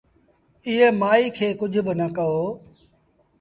ايٚئي مآئيٚ کي ڪجھ با نآ ڪهو